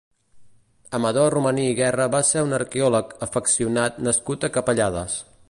Amador Romaní i Guerra va ser un arqueòleg afeccionat nascut a Capellades.